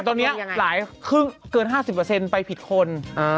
ตอนนี้หลายครึ่งเกิน๕๐ไปผิดคน